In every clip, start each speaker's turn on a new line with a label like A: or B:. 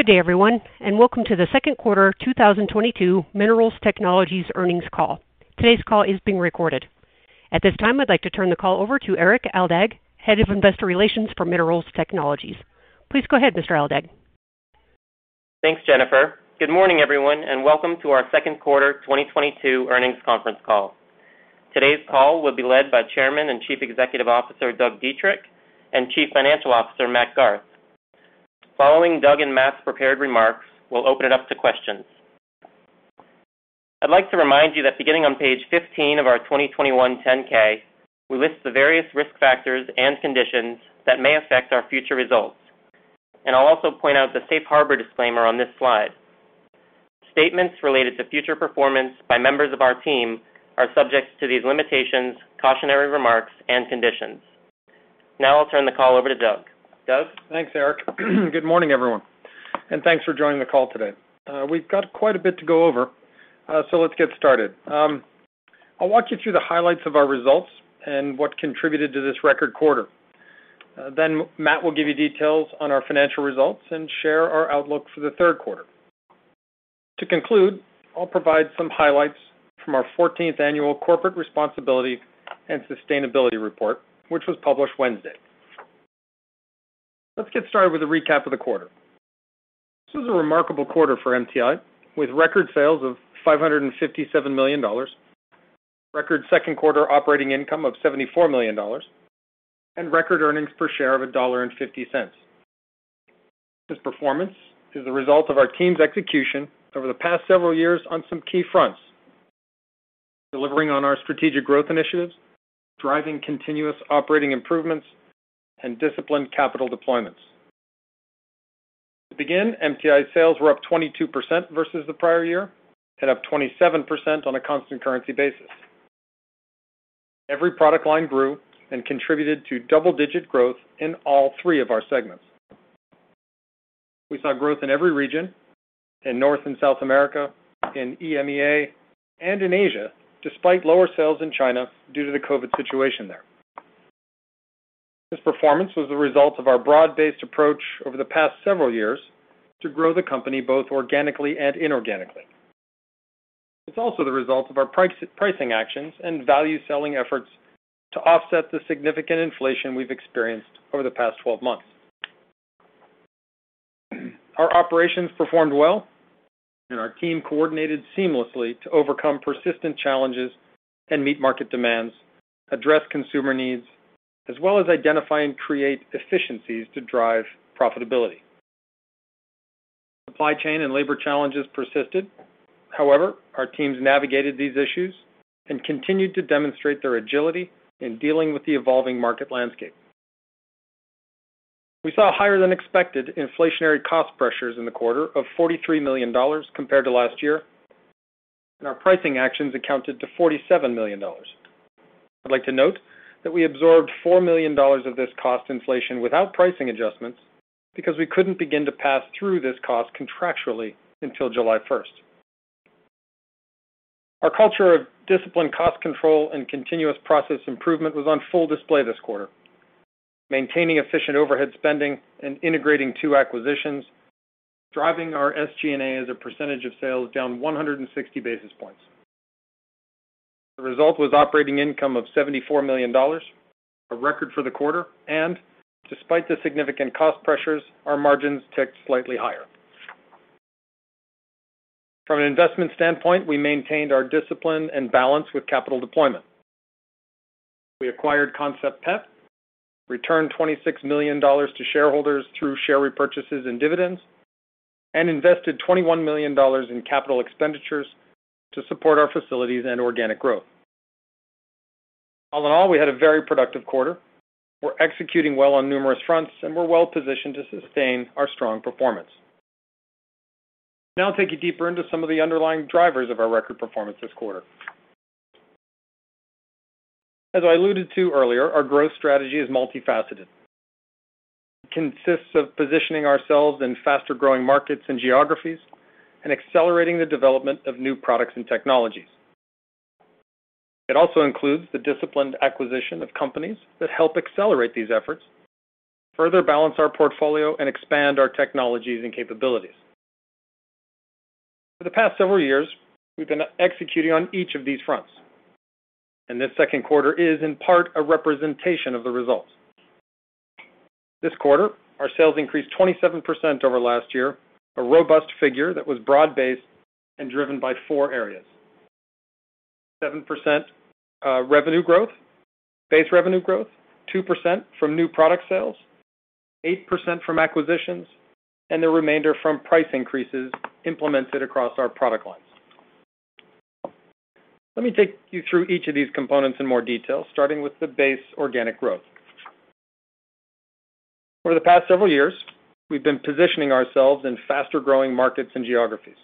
A: Good day, everyone, and welcome to the second quarter 2022 Minerals Technologies earnings call. Today's call is being recorded. At this time, I'd like to turn the call over to Erik Aldag, Head of Investor Relations for Minerals Technologies. Please go ahead, Mr. Aldag.
B: Thanks, Jennifer. Good morning, everyone, and welcome to our second quarter 2022 earnings conference call. Today's call will be led by Chairman and Chief Executive Officer, Doug Dietrich, and Chief Financial Officer, Matt Garth. Following Doug and Matt's prepared remarks, we'll open it up to questions. I'd like to remind you that beginning on page 15 of our 2021 10-K, we list the various risk factors and conditions that may affect our future results. I'll also point out the safe harbor disclaimer on this slide. Statements related to future performance by members of our team are subject to these limitations, cautionary remarks, and conditions. Now I'll turn the call over to Doug. Doug?
C: Thanks, Erik. Good morning, everyone, and thanks for joining the call today. We've got quite a bit to go over, so let's get started. I'll walk you through the highlights of our results and what contributed to this record quarter. Matt will give you details on our financial results and share our outlook for the third quarter. To conclude, I'll provide some highlights from our 14th Annual Corporate Responsibility and Sustainability Report, which was published Wednesday. Let's get started with a recap of the quarter. This was a remarkable quarter for MTI, with record sales of $557 million, record second quarter operating income of $74 million, and record earnings per share of $1.50. This performance is a result of our team's execution over the past several years on some key fronts, delivering on our strategic growth initiatives, driving continuous operating improvements, and disciplined capital deployments. To begin, MTI sales were up 22% versus the prior year and up 27% on a constant currency basis. Every product line grew and contributed to double-digit growth in all three of our segments. We saw growth in every region, in North and South America, in EMEA, and in Asia, despite lower sales in China due to the COVID situation there. This performance was a result of our broad-based approach over the past several years to grow the company both organically and inorganically. It's also the result of our pricing actions and value-selling efforts to offset the significant inflation we've experienced over the past 12 months. Our operations performed well, and our team coordinated seamlessly to overcome persistent challenges and meet market demands, address consumer needs, as well as identify and create efficiencies to drive profitability. Supply chain and labor challenges persisted. However, our teams navigated these issues and continued to demonstrate their agility in dealing with the evolving market landscape. We saw higher than expected inflationary cost pressures in the quarter of $43 million compared to last year, and our pricing actions accounted for $47 million. I'd like to note that we absorbed $4 million of this cost inflation without pricing adjustments because we couldn't begin to pass through this cost contractually until July 1st. Our culture of disciplined cost control and continuous process improvement was on full display this quarter, maintaining efficient overhead spending and integrating two acquisitions, driving our SG&A as a percentage of sales down 160 basis points. The result was operating income of $74 million, a record for the quarter, and despite the significant cost pressures, our margins ticked slightly higher. From an investment standpoint, we maintained our discipline and balance with capital deployment. We acquired Concept Pet, returned $26 million to shareholders through share repurchases and dividends, and invested $21 million in capital expenditures to support our facilities and organic growth. All in all, we had a very productive quarter. We're executing well on numerous fronts, and we're well-positioned to sustain our strong performance. Now I'll take you deeper into some of the underlying drivers of our record performance this quarter. As I alluded to earlier, our growth strategy is multifaceted. It consists of positioning ourselves in faster-growing markets and geographies and accelerating the development of new products and technologies. It also includes the disciplined acquisition of companies that help accelerate these efforts, further balance our portfolio, and expand our technologies and capabilities. For the past several years, we've been executing on each of these fronts, and this second quarter is in part a representation of the results. This quarter, our sales increased 27% over last year, a robust figure that was broad-based and driven by four areas. 7% revenue growth, base revenue growth, 2% from new product sales, 8% from acquisitions, and the remainder from price increases implemented across our product lines. Let me take you through each of these components in more detail, starting with the base organic growth. Over the past several years, we've been positioning ourselves in faster-growing markets and geographies.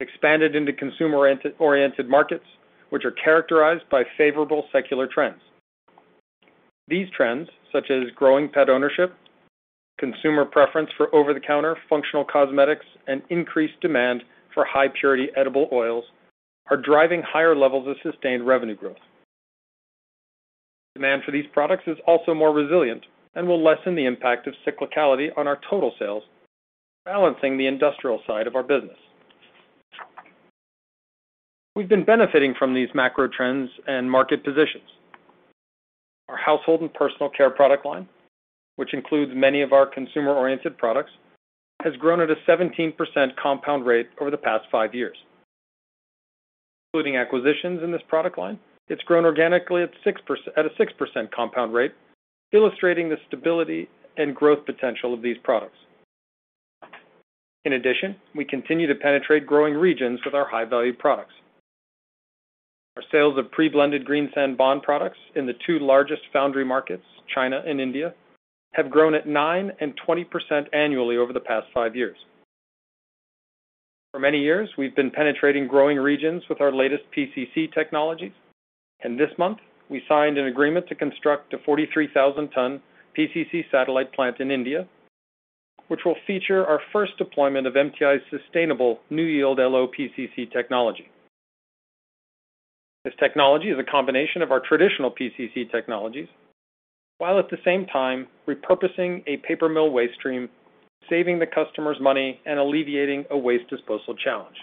C: Expanded into consumer-oriented markets, which are characterized by favorable secular trends. These trends, such as growing pet ownership, consumer preference for over-the-counter functional cosmetics, and increased demand for high-purity edible oils, are driving higher levels of sustained revenue growth. Demand for these products is also more resilient and will lessen the impact of cyclicality on our total sales, balancing the industrial side of our business. We've been benefiting from these macro trends and market positions. Our household and personal care product line, which includes many of our consumer-oriented products, has grown at a 17% compound rate over the past five years. Including acquisitions in this product line, it's grown organically at a 6% compound rate, illustrating the stability and growth potential of these products. In addition, we continue to penetrate growing regions with our high-value products. Our sales of pre-blended green sand bond products in the two largest foundry markets, China and India, have grown at 9% and 20% annually over the past five years. For many years, we've been penetrating growing regions with our latest PCC technologies. This month, we signed an agreement to construct a 43,000-ton PCC satellite plant in India, which will feature our first deployment of MTI's sustainable NewYield LO PCC technology. This technology is a combination of our traditional PCC technologies, while at the same time repurposing a paper mill waste stream, saving the customers money, and alleviating a waste disposal challenge.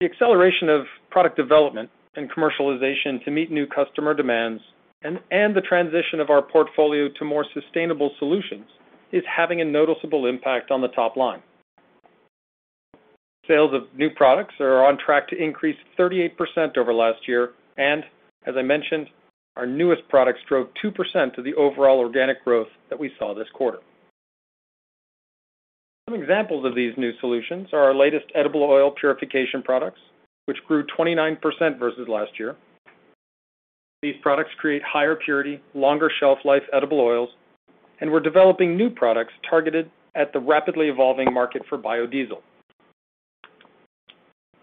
C: The acceleration of product development and commercialization to meet new customer demands and the transition of our portfolio to more sustainable solutions is having a noticeable impact on the top line. Sales of new products are on track to increase 38% over last year, and as I mentioned, our newest products drove 2% of the overall organic growth that we saw this quarter. Some examples of these new solutions are our latest edible oil purification products, which grew 29% versus last year. These products create higher purity, longer shelf life edible oils, and we're developing new products targeted at the rapidly evolving market for biodiesel.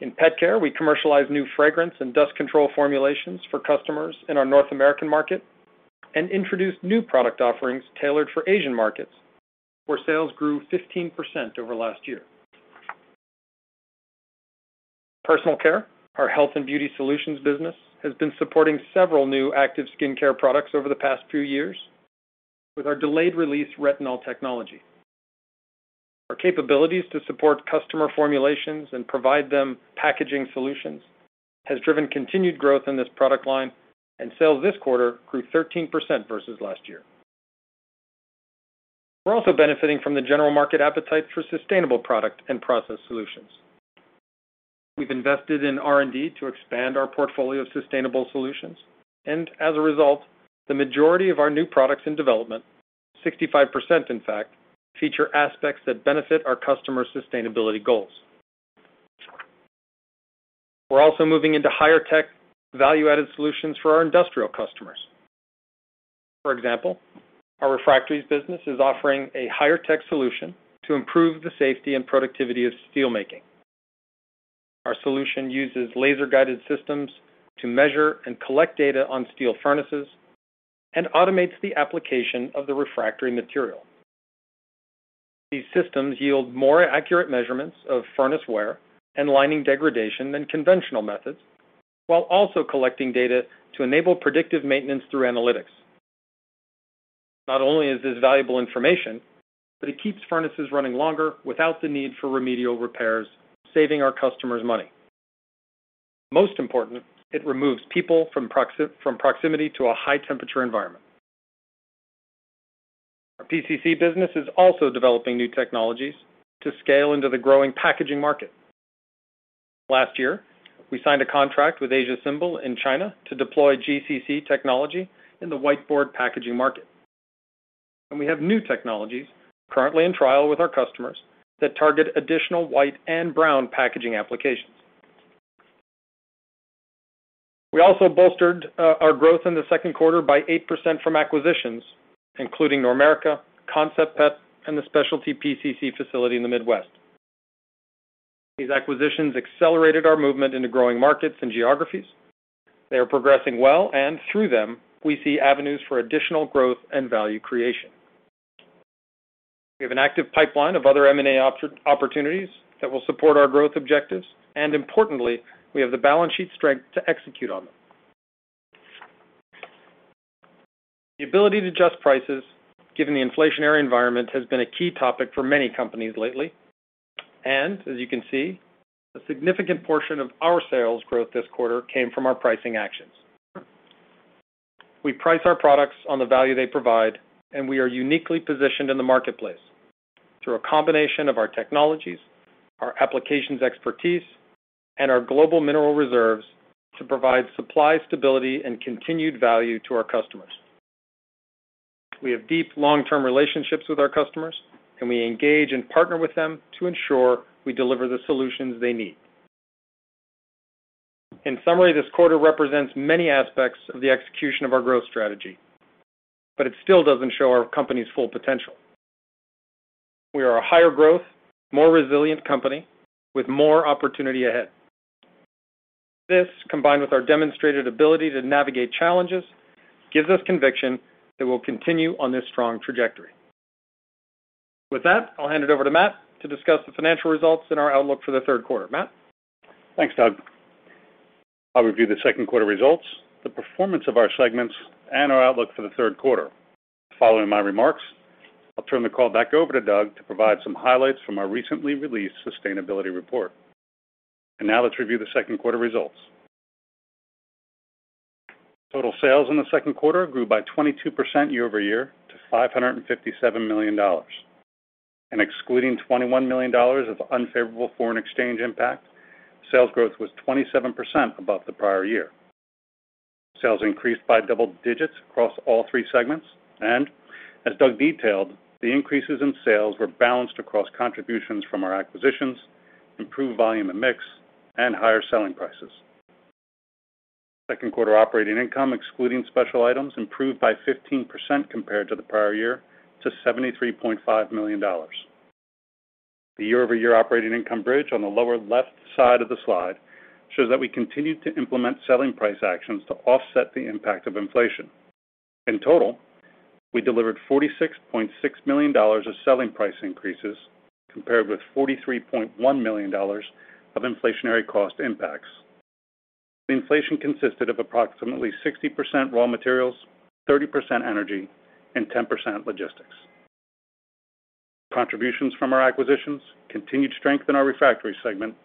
C: In pet care, we commercialize new fragrance and dust control formulations for customers in our North American market and introduce new product offerings tailored for Asian markets, where sales grew 15% over last year. Personal care, our Health & Beauty Solutions business, has been supporting several new active skincare products over the past few years with our delayed-release retinol technology. Our capabilities to support customer formulations and provide them packaging solutions has driven continued growth in this product line, and sales this quarter grew 13% versus last year. We're also benefiting from the general market appetite for sustainable product and process solutions. We've invested in R&D to expand our portfolio of sustainable solutions. As a result, the majority of our new products in development, 65%, in fact, feature aspects that benefit our customers' sustainability goals. We're also moving into higher-tech value-added solutions for our industrial customers. For example, our refractories business is offering a higher-tech solution to improve the safety and productivity of steel making. Our solution uses laser-guided systems to measure and collect data on steel furnaces and automates the application of the refractory material. These systems yield more accurate measurements of furnace wear and lining degradation than conventional methods, while also collecting data to enable predictive maintenance through analytics. Not only is this valuable information, but it keeps furnaces running longer without the need for remedial repairs, saving our customers money. Most important, it removes people from proximity to a high-temperature environment. Our PCC business is also developing new technologies to scale into the growing packaging market. Last year, we signed a contract with Asia Symbol in China to deploy GCC technology in the whiteboard packaging market. We have new technologies currently in trial with our customers that target additional white and brown packaging applications. We also bolstered our growth in the second quarter by 8% from acquisitions, including Normerica, Concept Pet, and the specialty PCC facility in the Midwest. These acquisitions accelerated our movement into growing markets and geographies. They are progressing well, and through them, we see avenues for additional growth and value creation. We have an active pipeline of other M&A opportunities that will support our growth objectives, and importantly, we have the balance sheet strength to execute on them. The ability to adjust prices, given the inflationary environment, has been a key topic for many companies lately. As you can see, a significant portion of our sales growth this quarter came from our pricing actions. We price our products on the value they provide, and we are uniquely positioned in the marketplace through a combination of our technologies, our applications expertise, and our global mineral reserves to provide supply stability and continued value to our customers. We have deep, long-term relationships with our customers, and we engage and partner with them to ensure we deliver the solutions they need. In summary, this quarter represents many aspects of the execution of our growth strategy, but it still doesn't show our company's full potential. We are a higher-growth, more resilient company with more opportunity ahead. This, combined with our demonstrated ability to navigate challenges, gives us conviction that we'll continue on this strong trajectory. With that, I'll hand it over to Matt to discuss the financial results and our outlook for the third quarter. Matt?
D: Thanks, Doug. I'll review the second quarter results, the performance of our segments, and our outlook for the third quarter. Following my remarks, I'll turn the call back over to Doug to provide some highlights from our recently released sustainability report. Now let's review the second quarter results. Total sales in the second quarter grew by 22% year-over-year to $557 million. Excluding $21 million of unfavorable foreign exchange impact, sales growth was 27% above the prior year. Sales increased by double digits across all three segments, and as Doug detailed, the increases in sales were balanced across contributions from our acquisitions, improved volume and mix, and higher selling prices. Second quarter operating income, excluding special items, improved by 15% compared to the prior year to $73.5 million. The year-over-year operating income bridge on the lower left side of the slide shows that we continued to implement selling price actions to offset the impact of inflation. In total, we delivered $46.6 million of selling price increases compared with $43.1 million of inflationary cost impacts. The inflation consisted of approximately 60% raw materials, 30% energy, and 10% logistics. Contributions from our acquisitions continued strength in our Refractories segment,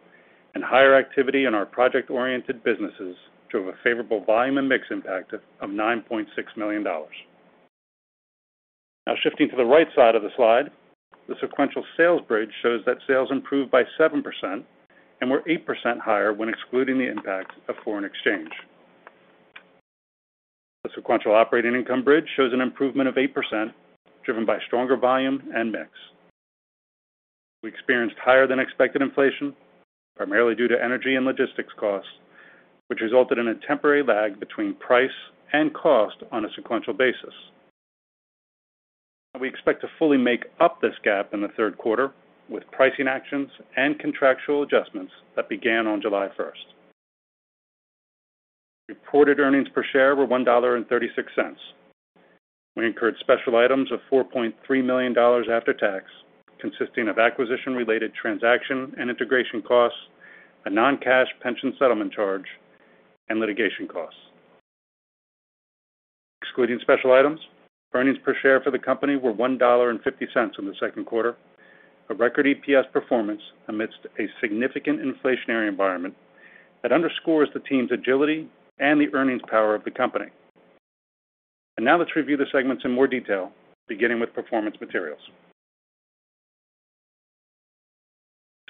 D: and higher activity in our project-oriented businesses drove a favorable volume and mix impact of $9.6 million. Now shifting to the right side of the slide, the sequential sales bridge shows that sales improved by 7% and were 8% higher when excluding the impact of foreign exchange. The sequential operating income bridge shows an improvement of 8% driven by stronger volume and mix. We experienced higher than expected inflation, primarily due to energy and logistics costs, which resulted in a temporary lag between price and cost on a sequential basis. We expect to fully make up this gap in the third quarter with pricing actions and contractual adjustments that began on July 1st. Reported earnings per share were $1.36. We incurred special items of $4.3 million after tax, consisting of acquisition-related transaction and integration costs, a non-cash pension settlement charge, and litigation costs. Excluding special items, earnings per share for the company were $1.50 in the second quarter, a record EPS performance amidst a significant inflationary environment that underscores the team's agility and the earnings power of the company. Now let's review the segments in more detail, beginning with Performance Materials.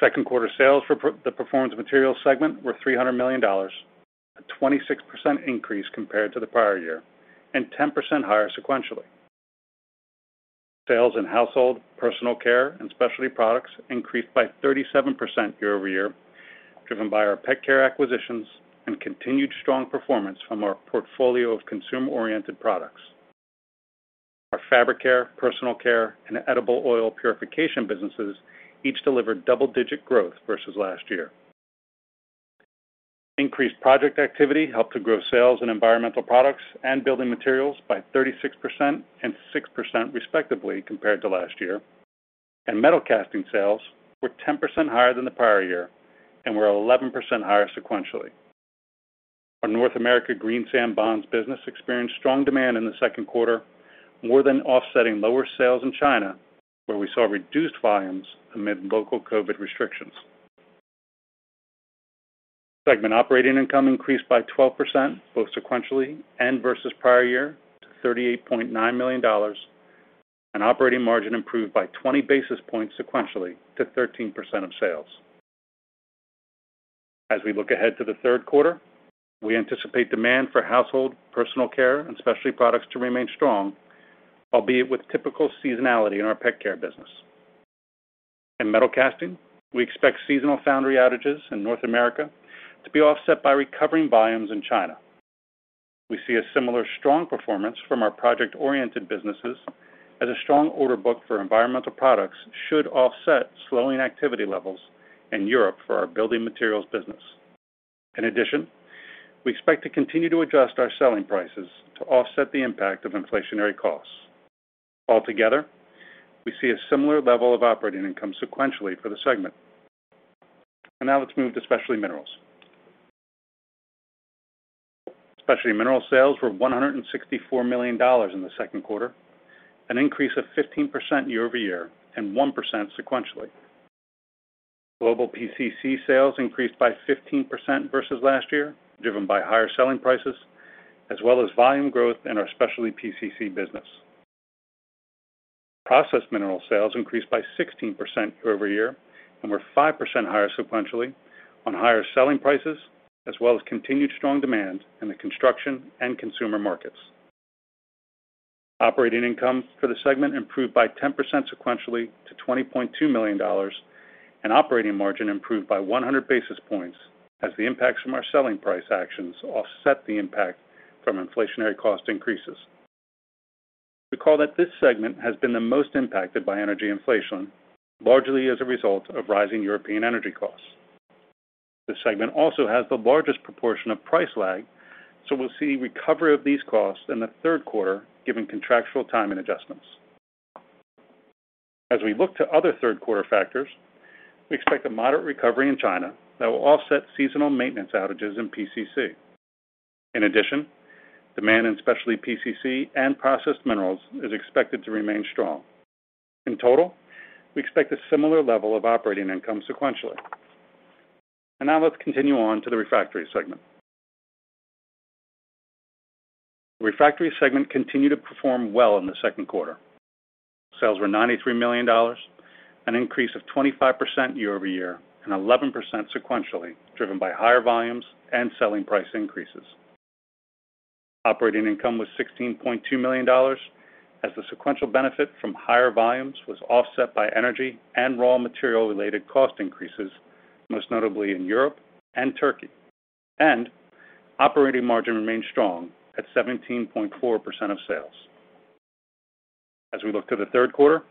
D: Second quarter sales for the Performance Materials segment were $300 million, a 26% increase compared to the prior year, and 10% higher sequentially. Sales in household, personal care, and specialty products increased by 37% year-over-year, driven by our pet care acquisitions and continued strong performance from our portfolio of consumer-oriented products. Our fabric care, personal care, and edible oil purification businesses each delivered double-digit growth versus last year. Increased project activity helped to grow sales in environmental products and building materials by 36% and 6%, respectively, compared to last year. Metal casting sales were 10% higher than the prior year and were 11% higher sequentially. Our North America green sand bonds business experienced strong demand in the second quarter, more than offsetting lower sales in China, where we saw reduced volumes amid local COVID restrictions. Segment operating income increased by 12%, both sequentially and versus prior year, $38.9 million, and operating margin improved by 20 basis points sequentially to 13% of sales. As we look ahead to the third quarter, we anticipate demand for household, personal care, and specialty products to remain strong, albeit with typical seasonality in our pet care business. In metal casting, we expect seasonal foundry outages in North America to be offset by recovering volumes in China. We see a similar strong performance from our project-oriented businesses, as a strong order book for environmental products should offset slowing activity levels in Europe for our building materials business. In addition, we expect to continue to adjust our selling prices to offset the impact of inflationary costs. Altogether, we see a similar level of operating income sequentially for the segment. Now let's move to Specialty Minerals. Specialty Minerals sales were $164 million in the second quarter, an increase of 15% year-over-year and 1% sequentially. Global PCC sales increased by 15% versus last year, driven by higher selling prices as well as volume growth in our specialty PCC business. Performance Minerals sales increased by 16% year-over-year and were 5% higher sequentially on higher selling prices, as well as continued strong demand in the construction and consumer markets. Operating income for the segment improved by 10% sequentially to $20.2 million, and operating margin improved by 100 basis points as the impacts from our selling price actions offset the impact from inflationary cost increases. Recall that this segment has been the most impacted by energy inflation, largely as a result of rising European energy costs. This segment also has the largest proportion of price lag, so we'll see recovery of these costs in the third quarter, given contractual timing adjustments. As we look to other third-quarter factors, we expect a moderate recovery in China that will offset seasonal maintenance outages in PCC. In addition, demand in specialty PCC and Specialty Minerals is expected to remain strong. In total, we expect a similar level of operating income sequentially. Now let's continue on to the Refractories segment. The Refractories segment continued to perform well in the second quarter. Sales were $93 million, an increase of 25% year-over-year and 11% sequentially, driven by higher volumes and selling price increases. Operating income was $16.2 million, as the sequential benefit from higher volumes was offset by energy and raw material-related cost increases, most notably in Europe and Turkey. Operating margin remained strong at 17.4% of sales. As we look to the third quarter,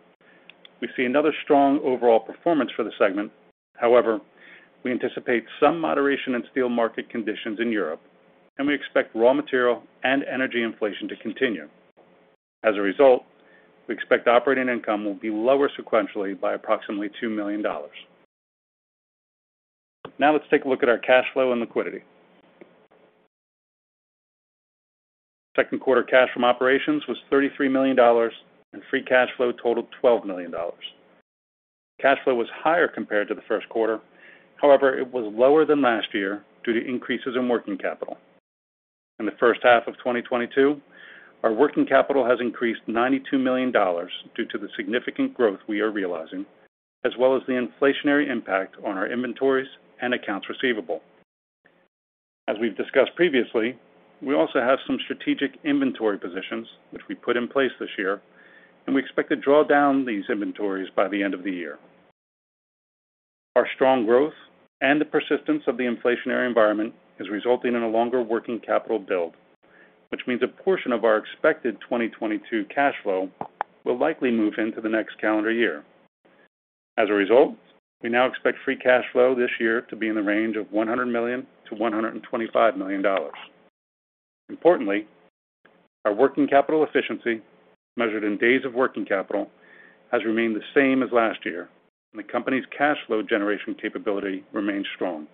D: we see another strong overall performance for the segment. However, we anticipate some moderation in steel market conditions in Europe, and we expect raw material and energy inflation to continue. As a result, we expect operating income will be lower sequentially by approximately $2 million. Now let's take a look at our cash flow and liquidity. Second quarter cash from operations was $33 million, and free cash flow totaled $12 million. Cash flow was higher compared to the first quarter. However, it was lower than last year due to increases in working capital. In the first half of 2022, our working capital has increased $92 million due to the significant growth we are realizing, as well as the inflationary impact on our inventories and accounts receivable. We've discussed previously, we also have some strategic inventory positions which we put in place this year, and we expect to draw down these inventories by the end of the year. Our strong growth and the persistence of the inflationary environment is resulting in a longer working capital build, which means a portion of our expected 2022 cash flow will likely move into the next calendar year. As a result, we now expect free cash flow this year to be in the range of $100 million-$125 million. Importantly, our working capital efficiency, measured in days of working capital, has remained the same as last year, and the company's cash flow generation capability remains strong.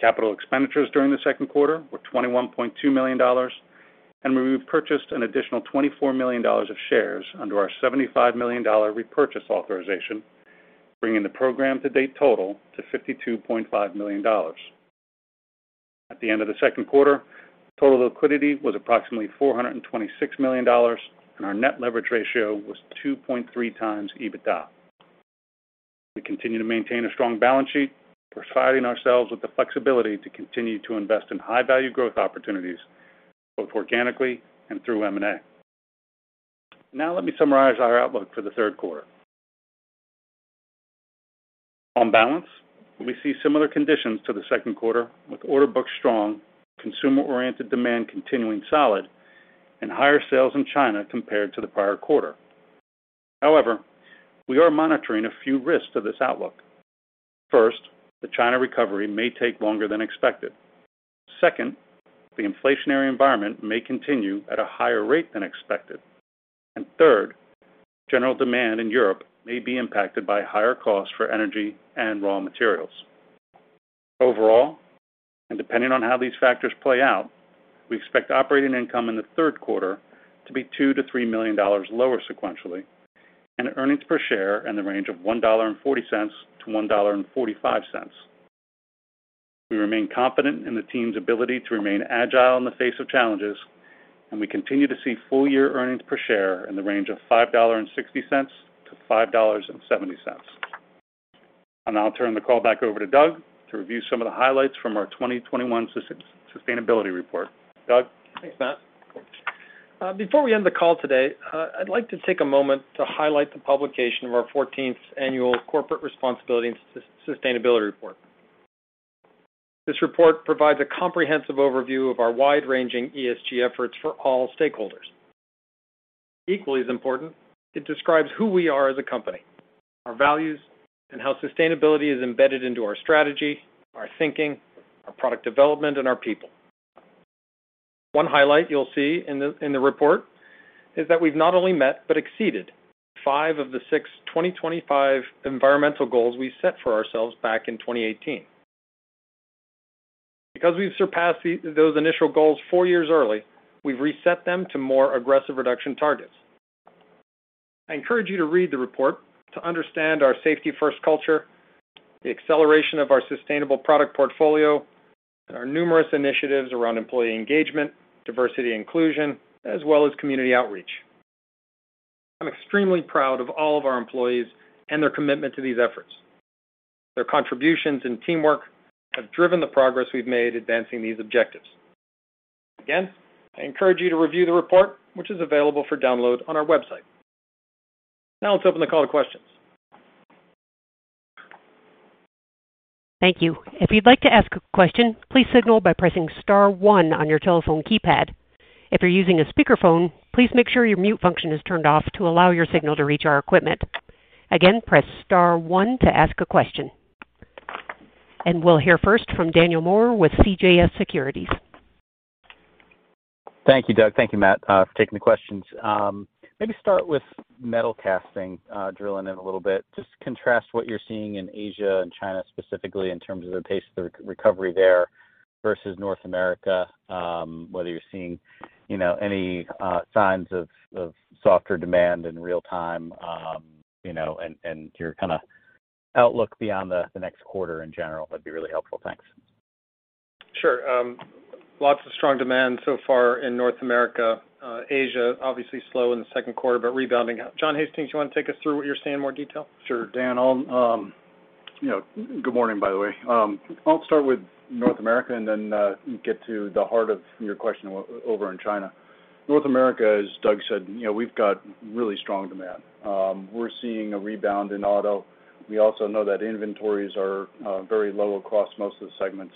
D: Capital expenditures during the second quarter were $21.2 million, and we've purchased an additional $24 million of shares under our $75 million repurchase authorization, bringing the program to date total to $52.5 million. At the end of the second quarter, total liquidity was approximately $426 million, and our net leverage ratio was 2.3x EBITDA. We continue to maintain a strong balance sheet, providing ourselves with the flexibility to continue to invest in high-value growth opportunities, both organically and through M&A. Now let me summarize our outlook for the third quarter. On balance, we see similar conditions to the second quarter, with order books strong, consumer-oriented demand continuing solid, and higher sales in China compared to the prior quarter. However, we are monitoring a few risks to this outlook. First, the China recovery may take longer than expected. Second, the inflationary environment may continue at a higher rate than expected. And third, general demand in Europe may be impacted by higher costs for energy and raw materials. Overall, and depending on how these factors play out, we expect operating income in the third quarter to be $2-$3 million lower sequentially, and earnings per share in the range of $1.40-$1.45. We remain confident in the team's ability to remain agile in the face of challenges, and we continue to see full-year earnings per share in the range of $5.60-$5.70. I'll now turn the call back over to Doug to review some of the highlights from our 2021 sustainability report. Doug?
C: Thanks, Matt. Before we end the call today, I'd like to take a moment to highlight the publication of our 14th Annual Corporate Responsibility and Sustainability Report. This report provides a comprehensive overview of our wide-ranging ESG efforts for all stakeholders. Equally as important, it describes who we are as a company, our values, and how sustainability is embedded into our strategy, our thinking, our product development, and our people. One highlight you'll see in the report is that we've not only met but exceeded five of the six 2025 environmental goals we set for ourselves back in 2018. Because we've surpassed those initial goals four years early, we've reset them to more aggressive reduction targets. I encourage you to read the report to understand our safety-first culture, the acceleration of our sustainable product portfolio, and our numerous initiatives around employee engagement, diversity inclusion, as well as community outreach. I'm extremely proud of all of our employees and their commitment to these efforts. Their contributions and teamwork have driven the progress we've made advancing these objectives. Again, I encourage you to review the report, which is available for download on our website. Now let's open the call to questions.
A: Thank you. If you'd like to ask a question, please signal by pressing star one on your telephone keypad. If you're using a speakerphone, please make sure your mute function is turned off to allow your signal to reach our equipment. Again, press star one to ask a question. We'll hear first from Daniel Moore with CJS Securities.
E: Thank you, Doug. Thank you, Matt, for taking the questions. Maybe start with metal casting, drilling down a little bit. Just contrast what you're seeing in Asia and China specifically in terms of the pace of the recovery there versus North America, whether you're seeing, you know, any signs of softer demand in real time, you know, and your kind of outlook beyond the next quarter in general, that'd be really helpful. Thanks.
C: Sure. Lots of strong demand so far in North America. Asia, obviously slow in the second quarter, but rebounding. Jon Hastings, you want to take us through what you're seeing in more detail?
F: Sure. Dan, I'll, you know, good morning, by the way. I'll start with North America and then get to the heart of your question over in China. North America, as Doug said, you know, we've got really strong demand. We're seeing a rebound in auto. We also know that inventories are very low across most of the segments.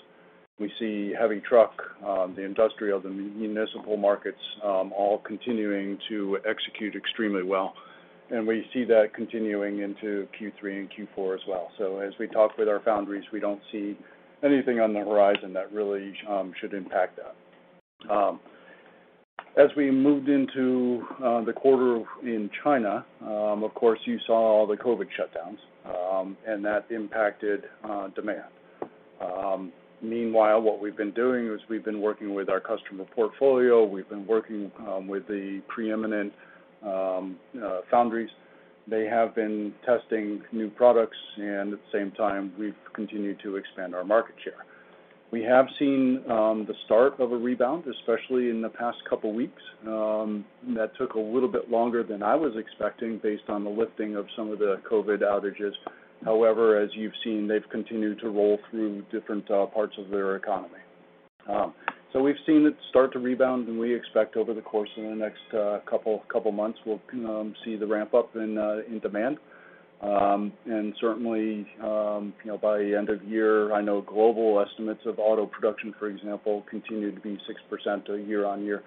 F: We see heavy truck, the industrial, the municipal markets, all continuing to execute extremely well. We see that continuing into Q3 and Q4 as well. As we talk with our foundries, we don't see anything on the horizon that really should impact that. As we moved into the quarter in China, of course, you saw the COVID shutdowns, and that impacted demand. Meanwhile, what we've been doing is we've been working with our customer portfolio. We've been working with the preeminent foundries. They have been testing new products, and at the same time, we've continued to expand our market share. We have seen the start of a rebound, especially in the past couple weeks. That took a little bit longer than I was expecting based on the lifting of some of the COVID outages. However, as you've seen, they've continued to roll through different parts of their economy. So we've seen it start to rebound, and we expect over the course of the next couple of months, we'll see the ramp up in demand. Certainly, you know, by end of year, I know global estimates of auto production, for example, continue to be 6% year-on-year.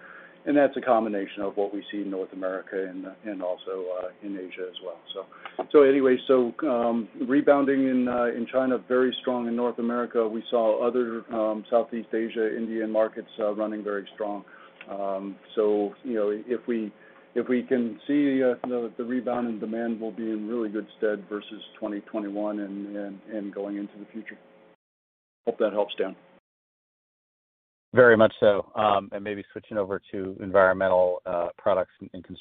F: That's a combination of what we see in North America and also in Asia as well. Rebounding in China, very strong in North America. We saw other Southeast Asia, Indian markets running very strong. You know, if we can see the rebound in demand, we'll be in really good stead versus 2021 and going into the future. Hope that helps, Dan.
E: Very much so. Maybe switching over to Environmental Products and Building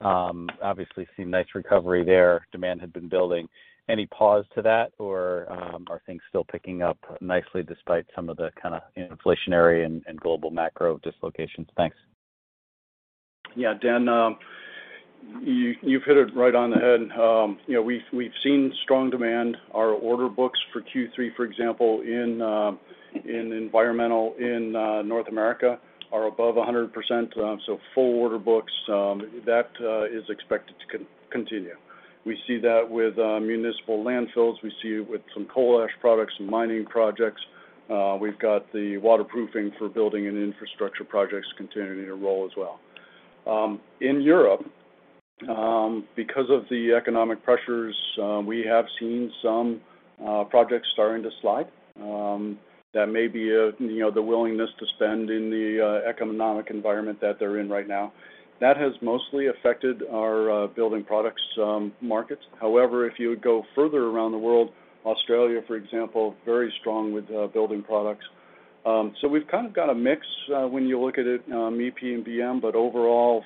E: Materials. Obviously seen nice recovery there. Demand had been building. Any pause to that, or are things still picking up nicely despite some of the kind of inflationary and global macro dislocations? Thanks.
F: Yeah, Dan, you've hit it right on the head. You know, we've seen strong demand. Our order books for Q3, for example, in environmental in North America are above 100%, so full order books. That is expected to continue. We see that with municipal landfills. We see it with some coal ash products and mining projects. We've got the waterproofing for building and infrastructure projects continuing to roll as well. In Europe, because of the economic pressures, we have seen some projects starting to slide. That may be, you know, the willingness to spend in the economic environment that they're in right now. That has mostly affected our building products markets. However, if you would go further around the world, Australia, for example, very strong with building products. We've kind of got a mix, when you look at it, EP&BM, but overall,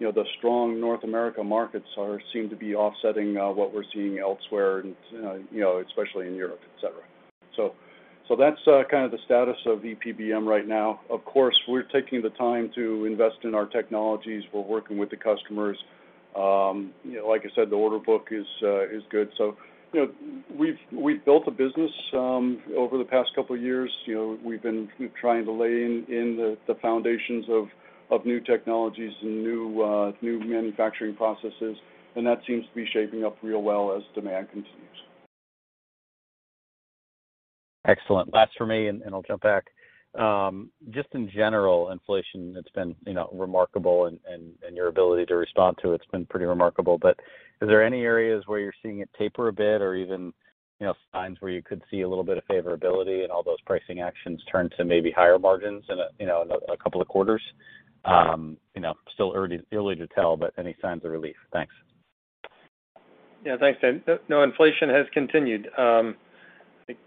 F: you know, the strong North America markets seem to be offsetting what we're seeing elsewhere and, you know, especially in Europe, et cetera. That's kind of the status of EP&BM right now. Of course, we're taking the time to invest in our technologies. We're working with the customers. You know, like I said, the order book is good. You know, we've built a business over the past couple of years. You know, we've been trying to lay in the foundations of new technologies and new manufacturing processes, and that seems to be shaping up real well as demand continues.
E: Excellent. Last for me, and I'll jump back. Just in general, inflation, it's been, you know, remarkable and your ability to respond to it's been pretty remarkable. Is there any areas where you're seeing it taper a bit or even, you know, signs where you could see a little bit of favorability and all those pricing actions turn to maybe higher margins in a, you know, a couple of quarters? You know, still early to tell, but any signs of relief? Thanks.
C: Yeah. Thanks, Dan. No, inflation has continued. I think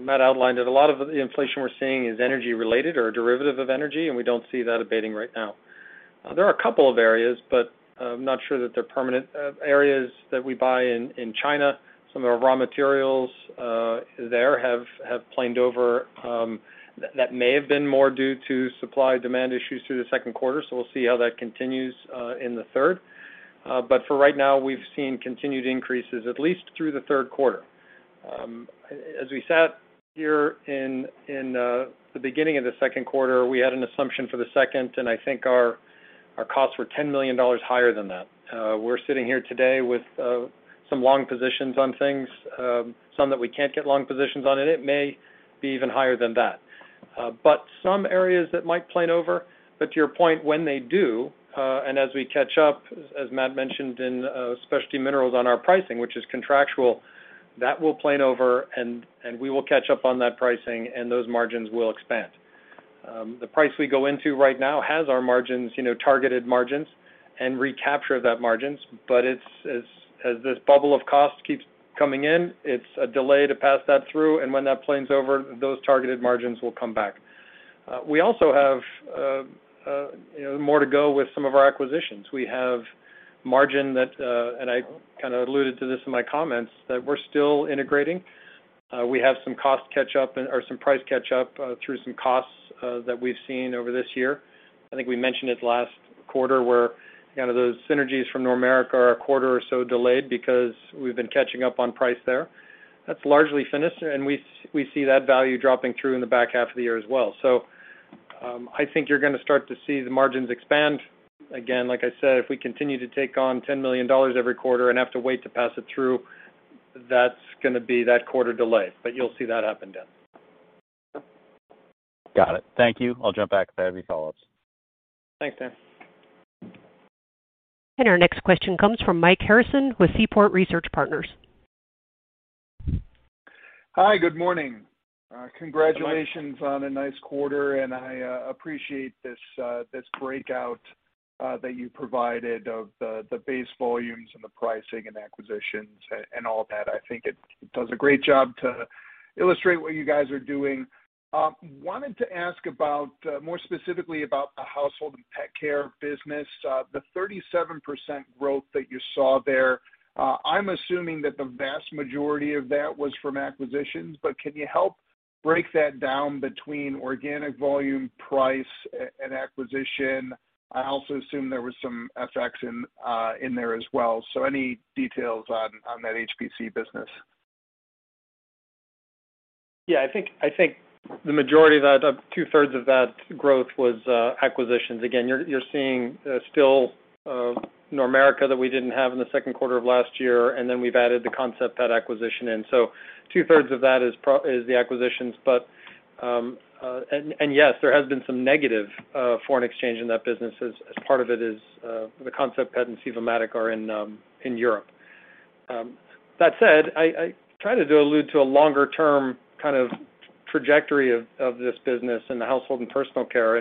C: Matt outlined it. A lot of the inflation we're seeing is energy related or a derivative of energy, and we don't see that abating right now. There are a couple of areas, but I'm not sure that they're permanent. Areas that we buy in China, some of the raw materials, there have plateaued, that may have been more due to supply-demand issues through the second quarter, so we'll see how that continues in the third. But for right now, we've seen continued increases at least through the third quarter. As we sat here at the beginning of the second quarter, we had an assumption for the second, and I think our costs were $10 million higher than that. We're sitting here today with some long positions on things, some that we can't get long positions on, and it may be even higher than that. Some areas that might play out, but to your point, when they do, and as we catch up, as Matt mentioned in Specialty Minerals on our pricing, which is contractual, that will play out and we will catch up on that pricing and those margins will expand. The pricing we go into right now has our margins, you know, targeted margins and recapture those margins. It's as this bubble of cost keeps coming in, it's a delay to pass that through. When that plays out, those targeted margins will come back. We also have, you know, more to go with some of our acquisitions. We have margin that, and I kinda alluded to this in my comments, that we're still integrating. We have some cost catch up or some price catch up through some costs that we've seen over this year. I think we mentioned it last quarter, where kind of those synergies from Normerica are a quarter or so delayed because we've been catching up on price there. That's largely finished, and we see that value dropping through in the back half of the year as well. I think you're gonna start to see the margins expand. Again, like I said, if we continue to take on $10 million every quarter and have to wait to pass it through, that's gonna be that quarter delay. But you'll see that up and down.
E: Got it. Thank you. I'll jump back if I have any follow-ups.
C: Thanks, Dan.
A: Our next question comes from Mike Harrison with Seaport Research Partners.
G: Hi, good morning. Congratulations.
C: Hi, Mike.
G: On a nice quarter. I appreciate this breakout that you provided of the base volumes and the pricing and acquisitions and all that. I think it does a great job to illustrate what you guys are doing. I wanted to ask about, more specifically, the household and pet care business. The 37% growth that you saw there, I'm assuming that the vast majority of that was from acquisitions, but can you help break that down between organic volume, price, and acquisition? I also assume there was some FX in there as well. So any details on that HPC business?
C: Yeah. I think the majority of that, two-thirds of that growth was acquisitions. Again, you're seeing still Normerica that we didn't have in the second quarter of last year, and then we've added the Concept Pet, that acquisition in. So two-thirds of that is the acquisitions, but yes, there has been some negative foreign exchange in that business as part of it is the Concept Pet and Sivomatic are in Europe. That said, I try to allude to a longer term kind of trajectory of this business in the household and personal care.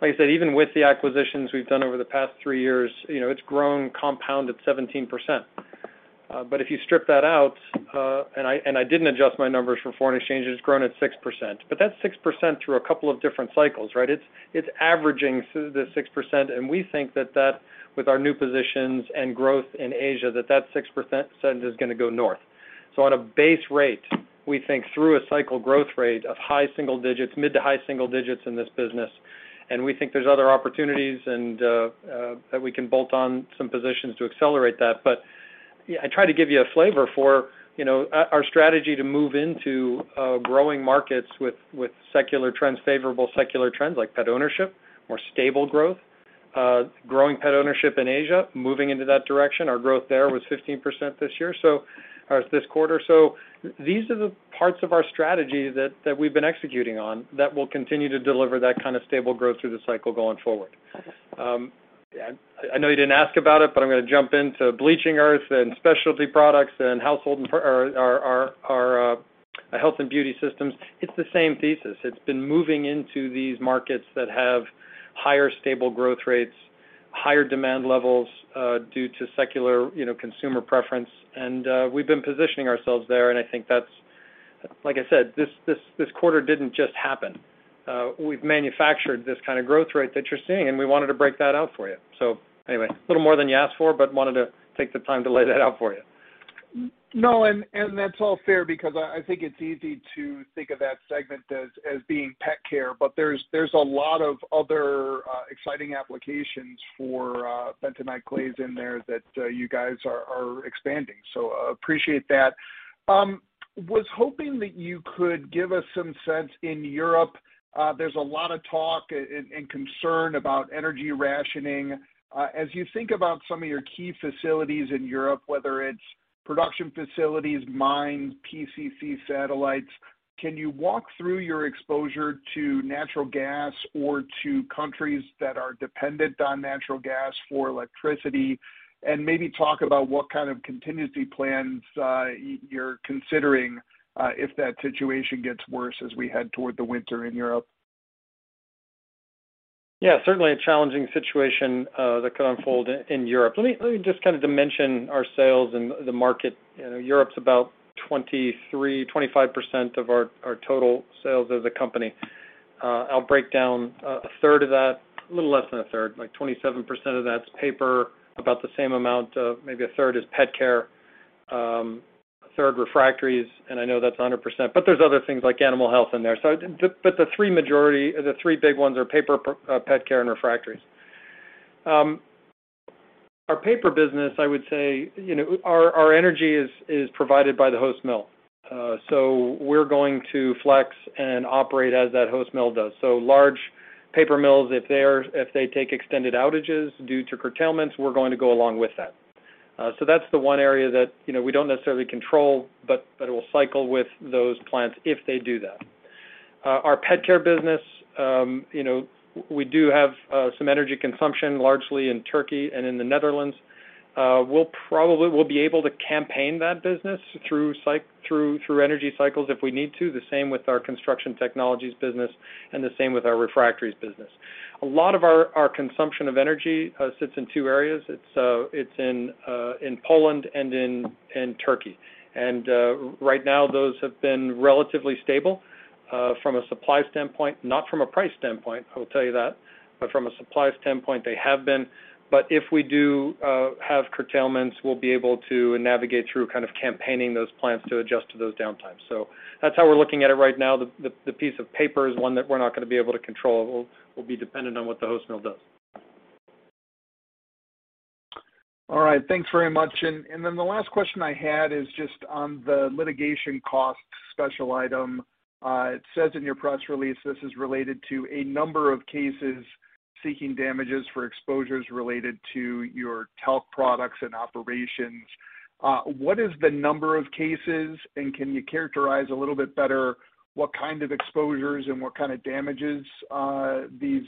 C: Like I said, even with the acquisitions we've done over the past three years, you know, it's grown compounded 17%. If you strip that out, and I didn't adjust my numbers for foreign exchanges, it's grown at 6%. That's 6% through a couple of different cycles, right? It's averaging the 6%, and we think that, with our new positions and growth in Asia, that 6% is gonna go north. On a base rate, we think through a cycle growth rate of high single digits, mid- to high single digits in this business, and we think there's other opportunities and that we can bolt on some positions to accelerate that. Yeah, I try to give you a flavor for, you know, our strategy to move into growing markets with secular trends, favorable secular trends, like pet ownership, more stable growth. Growing pet ownership in Asia, moving into that direction. Our growth there was 15% this year, so this quarter. These are the parts of our strategy that we've been executing on that will continue to deliver that kind of stable growth through the cycle going forward. I know you didn't ask about it, but I'm gonna jump into bleaching earth and specialty products and household, or our Health & Beauty Solutions. It's the same thesis. It's been moving into these markets that have higher stable growth rates, higher demand levels due to secular consumer preference. We've been positioning ourselves there, and I think that's. Like I said, this quarter didn't just happen. We've manufactured this kinda growth rate that you're seeing, and we wanted to break that out for you. A little more than you asked for, but wanted to take the time to lay that out for you.
G: No, that's all fair because I think it's easy to think of that segment as being pet care, but there's a lot of other exciting applications for bentonite clays in there that you guys are expanding. Appreciate that. Was hoping that you could give us some sense in Europe. There's a lot of talk and concern about energy rationing. As you think about some of your key facilities in Europe, whether it's production facilities, mines, PCC satellites, can you walk through your exposure to natural gas or to countries that are dependent on natural gas for electricity, and maybe talk about what kind of contingency plans you're considering if that situation gets worse as we head toward the winter in Europe?
C: Yeah. Certainly a challenging situation that could unfold in Europe. Let me just kind of dimension our sales and the market. You know, Europe's about 23-25% of our total sales of the company. I'll break down a third of that, a little less than a third, like 27% of that's paper, about the same amount, maybe a third is pet care, a third refractories, and I know that's 100%, but there's other things like animal health in there. But the three major ones are paper, pet care and refractories. Our paper business, I would say, you know, our energy is provided by the host mill. We're going to flex and operate as that host mill does. Large paper mills, if they take extended outages due to curtailments, we're going to go along with that. That's the one area that, you know, we don't necessarily control, but it will cycle with those plants if they do that. Our pet care business, you know, we do have some energy consumption largely in Turkey and in the Netherlands. We'll be able to campaign that business through energy cycles if we need to. The same with our construction technologies business and the same with our refractories business. A lot of our consumption of energy sits in two areas. It's in Poland and in Turkey. Right now, those have been relatively stable from a supply standpoint, not from a price standpoint, I will tell you that, but from a supply standpoint, they have been. If we do have curtailments, we'll be able to navigate through kind of campaigning those plants to adjust to those downtimes. That's how we're looking at it right now. The piece of paper is one that we're not gonna be able to control. We'll be dependent on what the host mill does.
G: All right. Thanks very much. The last question I had is just on the litigation cost special item. It says in your press release this is related to a number of cases seeking damages for exposures related to your talc products and operations. What is the number of cases, and can you characterize a little bit better what kind of exposures and what kind of damages these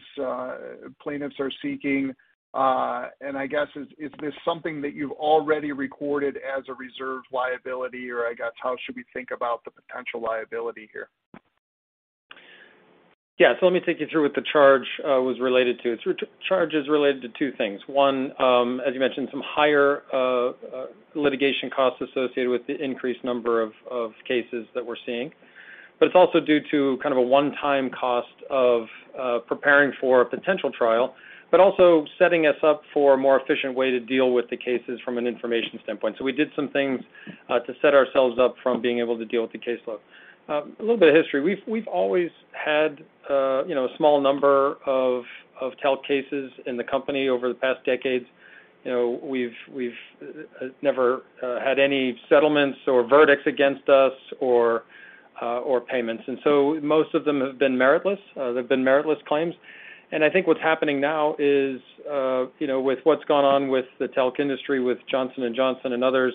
G: plaintiffs are seeking? I guess, is this something that you've already recorded as a reserve liability, or I guess, how should we think about the potential liability here?
C: Yeah. Let me take you through what the charge was related to. The charge is related to two things. One, as you mentioned, some higher litigation costs associated with the increased number of cases that we're seeing, but it's also due to kind of a one-time cost of preparing for a potential trial, but also setting us up for a more efficient way to deal with the cases from an information standpoint. We did some things to set ourselves up for being able to deal with the caseload. A little bit of history. We've always had, you know, a small number of talc cases in the company over the past decades. You know, we've never had any settlements or verdicts against us or payments. Most of them have been meritless. They've been meritless claims. I think what's happening now is, you know, with what's gone on with the talc industry, with Johnson & Johnson and others,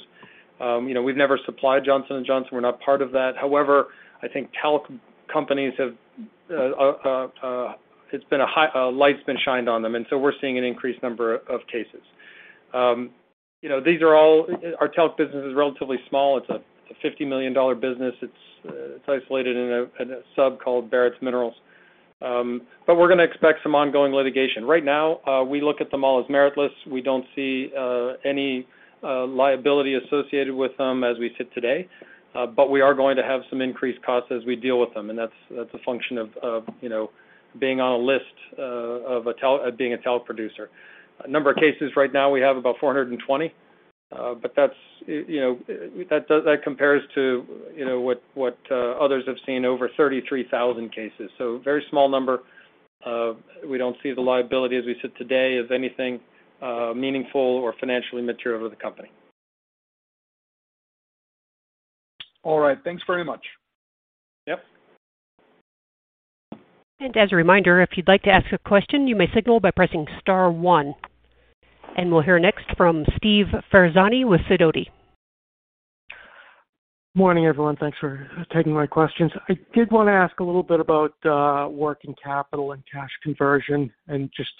C: you know, we've never supplied Johnson & Johnson. We're not part of that. However, I think talc companies have, it's been a light's been shined on them, and so we're seeing an increased number of cases. You know, these are all. Our talc business is relatively small. It's a $50 million business. It's isolated in a sub called Barretts Minerals. But we're gonna expect some ongoing litigation. Right now, we look at them all as meritless. We don't see any liability associated with them as we sit today, but we are going to have some increased costs as we deal with them, and that's a function of you know, being on a list, being a talc producer. A number of cases right now, we have about 420, but that's you know, that compares to you know, what others have seen over 33,000 cases. Very small number. We don't see the liability as we sit today as anything meaningful or financially material to the company.
G: All right. Thanks very much.
C: Yep.
A: As a reminder, if you'd like to ask a question, you may signal by pressing star one. We'll hear next from Steve Ferazani with Sidoti & Company.
H: Morning, everyone. Thanks for taking my questions. I did wanna ask a little bit about, working capital and cash conversion. Just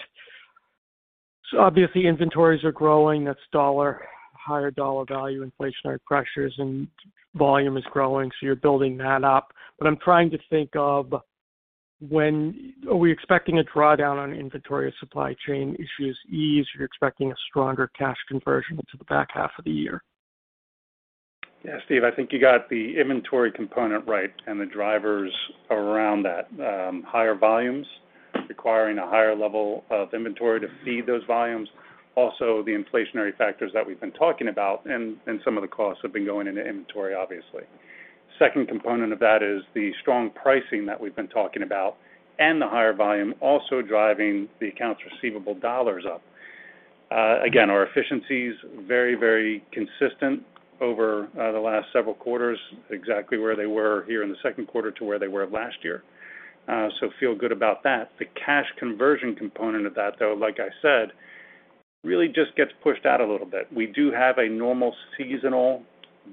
H: obviously, inventories are growing. That's due to higher dollar value inflationary pressures, and volume is growing, so you're building that up. I'm trying to think of when are we expecting a drawdown on inventory as supply chain issues ease? Are you expecting a stronger cash conversion into the back half of the year?
D: Yeah. Steve, I think you got the inventory component right and the drivers around that. Higher volumes requiring a higher level of inventory to feed those volumes. Also, the inflationary factors that we've been talking about and some of the costs have been going into inventory, obviously. Second component of that is the strong pricing that we've been talking about and the higher volume also driving the accounts receivable dollars up. Again, our efficiency's very, very consistent over the last several quarters, exactly where they were here in the second quarter to where they were last year. So feel good about that. The cash conversion component of that, though, like I said, really just gets pushed out a little bit. We do have a normal seasonal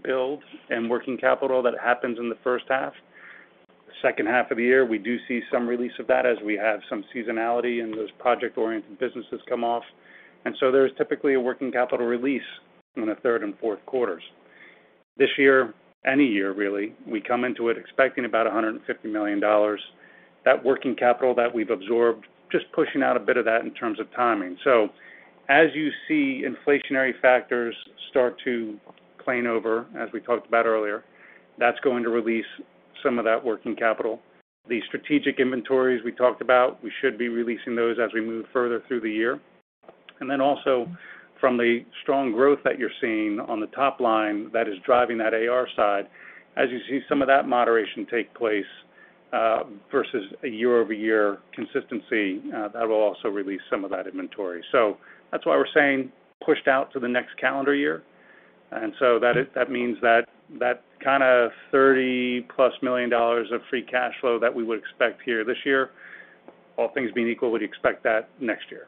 D: build and working capital that happens in the first half. Second half of the year, we do see some release of that as we have some seasonality and those project-oriented businesses come off. There's typically a working capital release in the third and fourth quarters. This year, any year really, we come into it expecting about $150 million. That working capital that we've absorbed, just pushing out a bit of that in terms of timing. As you see inflationary factors start to play out, as we talked about earlier, that's going to release some of that working capital. The strategic inventories we talked about, we should be releasing those as we move further through the year. Also from the strong growth that you're seeing on the top line that is driving that AR side, as you see some of that moderation take place. versus a year-over-year consistency, that will also release some of that inventory. That's why we're saying pushed out to the next calendar year. That means that kinda $30+ million of free cash flow that we would expect here this year, all things being equal, we'd expect that next year.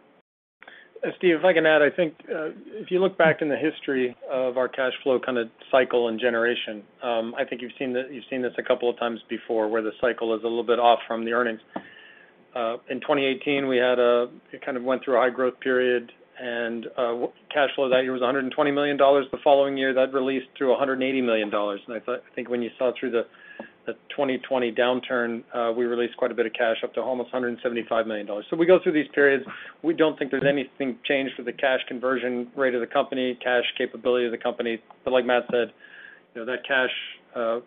C: Steve, if I can add. I think if you look back in the history of our cash flow kinda cycle and generation, I think you've seen this a couple of times before where the cycle is a little bit off from the earnings. In 2018 we had a. It kind of went through a high growth period and cash flow that year was $120 million. The following year, that released to $180 million. I thought, I think when you saw through the 2020 downturn, we released quite a bit of cash, up to almost $175 million. We go through these periods. We don't think there's anything changed with the cash conversion rate of the company, cash capability of the company. Like Matt said, you know, that cash,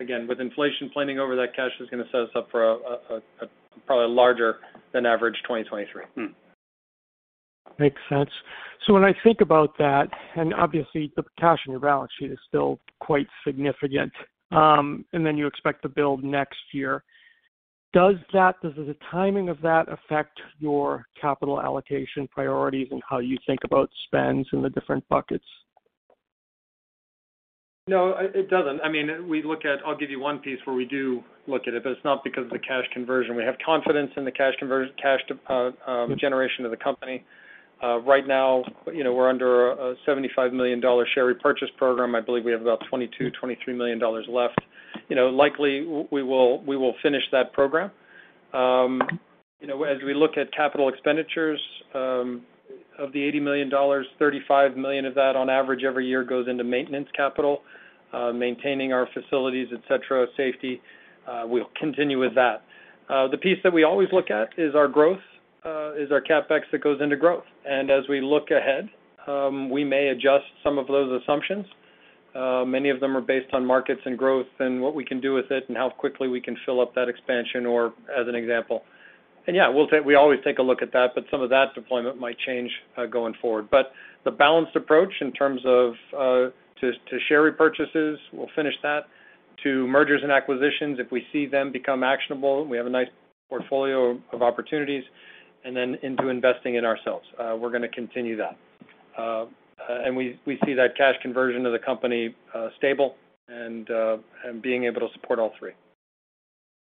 C: again, with inflation planning over that cash is gonna set us up for a probably larger than average 2023.
D: Mm-hmm.
H: Makes sense. When I think about that, and obviously the cash on your balance sheet is still quite significant, and then you expect to build next year, does the timing of that affect your capital allocation priorities and how you think about spends in the different buckets?
C: No, it doesn't. I mean, we look at it. I'll give you one piece where we do look at it, but it's not because of the cash conversion. We have confidence in the cash conversion, cash generation of the company. Right now, you know, we're under a $75 million share repurchase program. I believe we have about $22-$23 million left. You know, likely we will finish that program. You know, as we look at capital expenditures, of the $80 million, $35 million of that on average every year goes into maintenance capital, maintaining our facilities, et cetera, safety. We'll continue with that. The piece that we always look at is our growth CapEx that goes into growth. As we look ahead, we may adjust some of those assumptions. Many of them are based on markets and growth and what we can do with it and how quickly we can fill up that expansion or as an example. We always take a look at that, but some of that deployment might change going forward. The balanced approach in terms of to share repurchases, we'll finish that. To mergers and acquisitions, if we see them become actionable, we have a nice portfolio of opportunities. Then into investing in ourselves. We're gonna continue that. We see that cash conversion of the company stable and being able to support all three.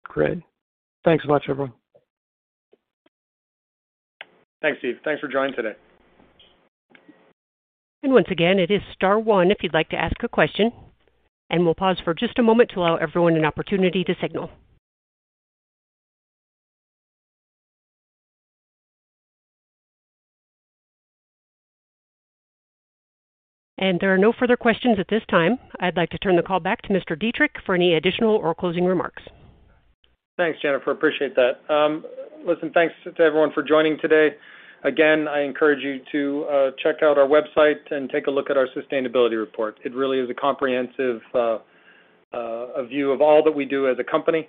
H: Great. Thanks so much, everyone.
C: Thanks, Steve. Thanks for joining today.
A: Once again, it is star one if you'd like to ask a question, and we'll pause for just a moment to allow everyone an opportunity to signal. There are no further questions at this time. I'd like to turn the call back to Mr. Dietrich for any additional or closing remarks.
C: Thanks, Jennifer. Appreciate that. Listen, thanks to everyone for joining today. Again, I encourage you to check out our website and take a look at our sustainability report. It really is a comprehensive view of all that we do as a company,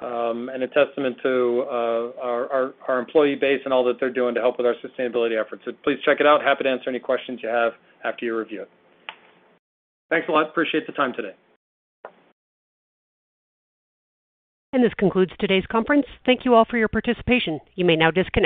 C: and a testament to our employee base and all that they're doing to help with our sustainability efforts. Please check it out. Happy to answer any questions you have after you review it. Thanks a lot. Appreciate the time today.
A: This concludes today's conference. Thank you all for your participation. You may now disconnect.